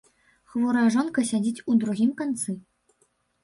Хворая жонка сядзіць у другім канцы.